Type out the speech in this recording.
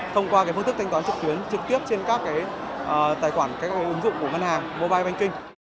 thông qua cái phương thức thanh toán trực tuyến trực tiếp trên các cái tài khoản các cái ứng dụng của ngân hàng mobile banking